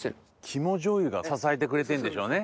肝醤油が支えてくれてんでしょうね。